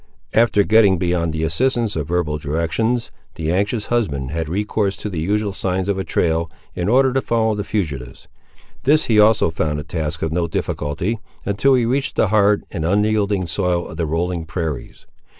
After getting beyond the assistance of verbal directions, the anxious husband had recourse to the usual signs of a trail, in order to follow the fugitives. This he also found a task of no difficulty, until he reached the hard and unyielding soil of the rolling prairies.